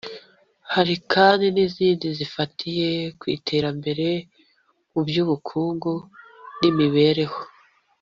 Hari kandi n izindi zifatiye ku iterambere mu by ubukungu n imibereho